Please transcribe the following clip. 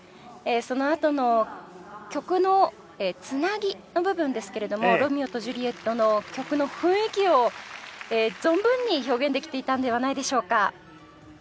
そのあとの曲の繋ぎの部分ですけれども『ロミオとジュリエット』の曲の雰囲気を存分に表現できていたんではないでしょうか。